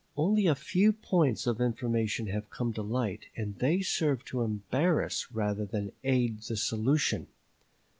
Only a few points of information have come to light, and they serve to embarrass rather than aid the solution.